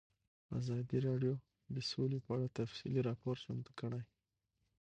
ازادي راډیو د سوله په اړه تفصیلي راپور چمتو کړی.